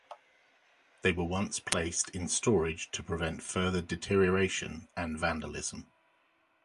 They were once placed in storage to prevent further deterioration and vandalism.